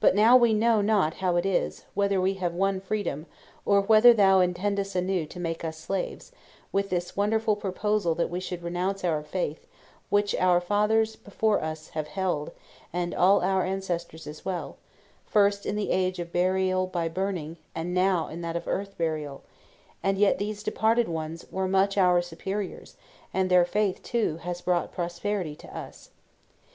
But now we know not how it is, whether we have won freedom, or whether thou intendest anew to make us slaves, with this wonderful proposal that we should renounce our faith, which our fathers before us have held, and all our ancestors as well, first in the age of burial by burning, and now in that of earth burial; and yet these departed ones were much our superiors, and their faith, too, has brought prosperity to us.